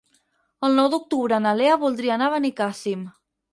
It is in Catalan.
El nou d'octubre na Lea voldria anar a Benicàssim.